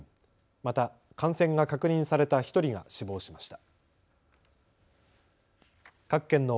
また感染が確認された１人が死亡しました。